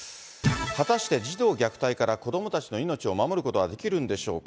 果たして児童虐待から子どもたちの命を守ることはできるんでしょうか。